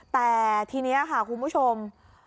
แต่ทีนี้ค่ะคุณผู้ชม